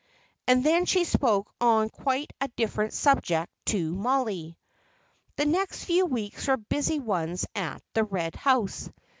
And then she spoke on quite a different subject to Mollie. The next few weeks were busy ones at the Red House.